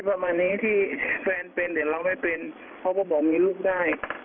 ประมาณนี้ที่แฟนเป็นเหรียญแล้วไม่เป็นเพราะคุณหมอมีรูปได้